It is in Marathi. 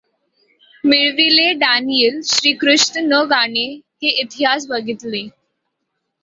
मिळविले डॅनियल श्रीकृष्ण न गाणे आहे इतिहास बघितले.